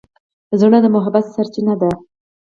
زړه د محبت سرچینه ده.